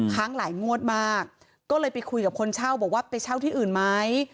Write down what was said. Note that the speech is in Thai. ค้างหลายงวดมากก็เลยไปคุยกับคนเช่าบอกว่าไปเช่าที่อื่นไหม